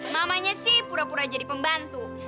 mamanya sih pura pura jadi pembantu